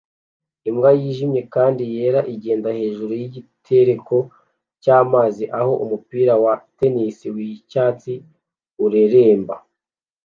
Imbwa yijimye kandi yera igenda hejuru yigitereko cyamazi aho umupira wa tennis wicyatsi ureremba